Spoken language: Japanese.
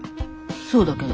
そうだけど。